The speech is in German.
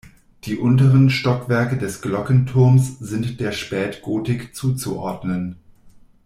Die unteren Stockwerke des Glockenturms sind der Spätgotik zuzuordnen.